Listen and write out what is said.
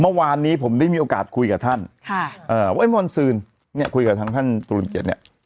เมื่อวานนี้ผมได้มีโอกาสคุยกับท่านค่ะเอ่อไว้มอนซืนเนี่ยคุยกับทางท่านตรูนเกียจเนี่ย